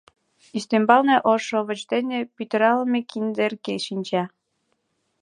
Ӱстембалне ош шовыч дене пӱтыралме киндерке шинча.